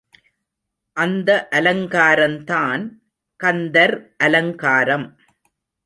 அந்த அலங்காரந்தான் கந்தர் அலங்காரம்.